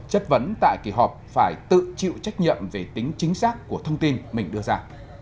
chất vấn tại kỳ họp phải tự chịu trách nhiệm về tính chính xác của thông tin mình đưa ra